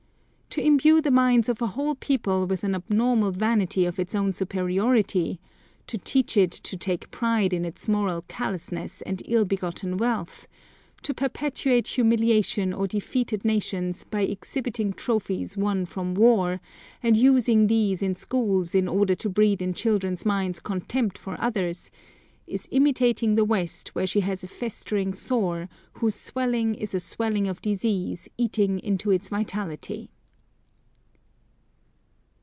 To imbue the minds of a whole people with an abnormal vanity of its own superiority, to teach it to take pride in its moral callousness and ill begotten wealth, to perpetuate humiliation of defeated nations by exhibiting trophies won from war, and using these in schools in order to breed in children's minds contempt for others, is imitating the West where she has a festering sore, whose swelling is a swelling of disease eating into its vitality.